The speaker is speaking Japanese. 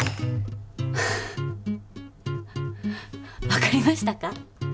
わかりましたか？